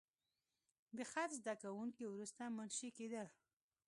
د خط زده کوونکي وروسته منشي کېدل.